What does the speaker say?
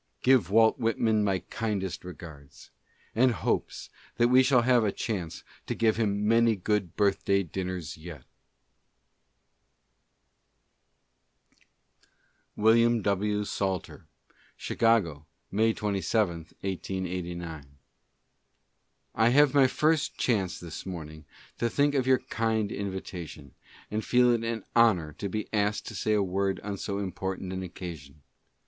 Give Walt Whitman my kindest regards, and hopes that we shall have a chance to give him a good many birthday dinners yet. ... it LETTER* I. 5 in: /'... v.\ .V.: ;. 1 55:. I have my first chance this morning to think of your kind in vitation, and feel it an honor to be asked to say a word on so important an occasion.